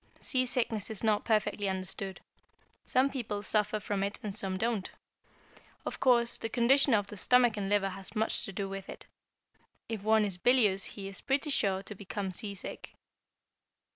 Seasickness is not perfectly understood. Some people suffer from it and some do not. Of course, the condition of the stomach and liver has much to do with it. If one is bilious he is pretty sure to become seasick.